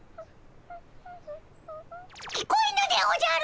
聞こえぬでおじゃる！